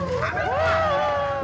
ini silahkan tambahin semua